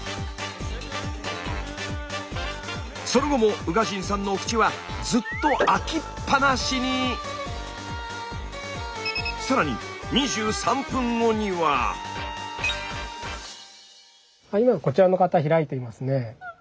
その後も宇賀神さんのお口はずっと更に今こちらの方開いていますね。